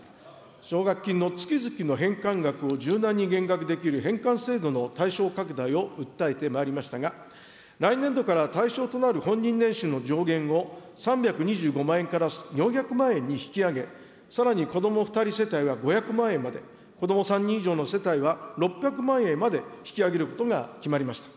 奨学金の月々の返還額を柔軟に減額できる返還制度の対象拡大を訴えてまいりましたが、来年度からは対象となる本人年収の上限を３２５万円から４００万円に引き上げ、さらに、子ども２人世帯は５００万円まで、子ども３人以上の世帯は６００万円まで引き上げることが決まりました。